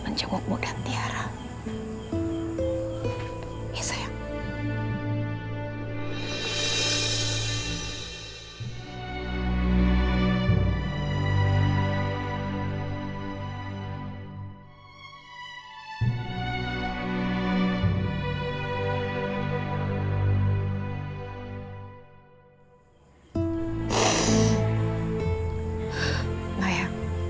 tersimpan ke yang dihukumnya